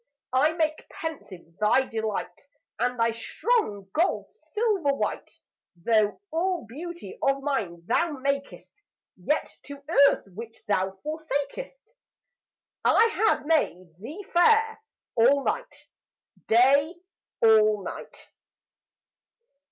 I make pensive thy delight, And thy strong gold silver white. Though all beauty of nine thou makest, Yet to earth which thou forsakest I have made thee fair all night, Day all night.